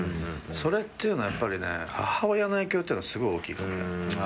それっていうのはやっぱりね母親の影響っていうのはすごい大きいかも。